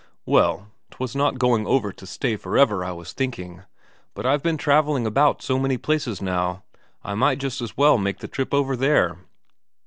"Well, 'twas not going over to stay for ever I was thinking. But I've been travelling about so many places now, I might just as well make the trip over there."